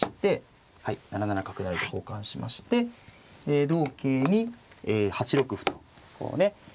７七角成と交換しまして同桂に８六歩とこうね